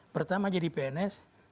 pertama jadi pns